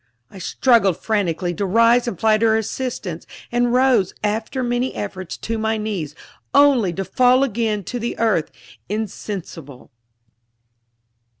I struggled frantically to rise and fly to her assistance, and rose, after many efforts, to my knees, only to fall again to the earth, insensible.